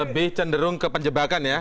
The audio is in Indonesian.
lebih cenderung ke penjebakan ya